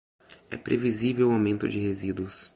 É previsível o aumento de resíduos.